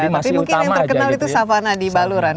tapi mungkin yang terkenal itu savana di baluran